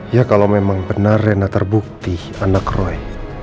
ya kalau memang benar rena terbukti anak roy